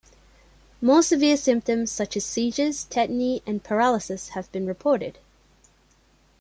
More severe symptoms such as seizures, tetany, and paralysis have been reported.